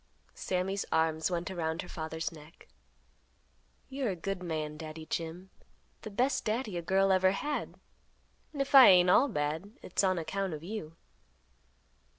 Sammy's arms went around her father's neck, "You're a good man, Daddy Jim; the best Daddy a girl ever had; and if I ain't all bad, it's on account of you."